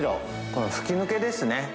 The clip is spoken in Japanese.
この吹き抜けですね。